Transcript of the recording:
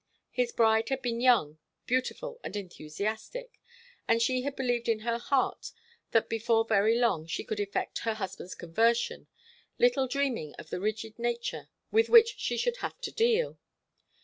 His bride had been young, beautiful and enthusiastic, and she had believed in her heart that before very long she could effect her husband's conversion, little dreaming of the rigid nature with which she should have to deal.